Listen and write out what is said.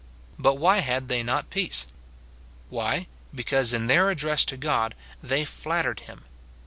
But why had they not peace ? Why, because in their address to God, they flattered him.